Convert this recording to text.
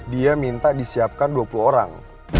dia minta disiapkan dua puluh orang